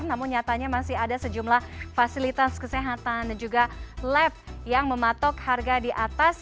namun nyatanya masih ada sejumlah fasilitas kesehatan dan juga lab yang mematok harga di atas